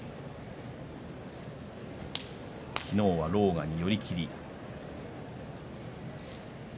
昨日は狼雅に寄り切り。